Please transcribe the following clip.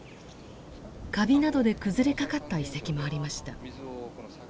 カビなどで崩れかかった遺跡もありました。